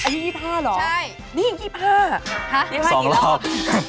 อันนี้๒๕หรอนี่๒๕หรอสองรอบ